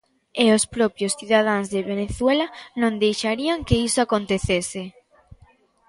E os propios cidadáns de Venezuela non deixarían que iso acontecese.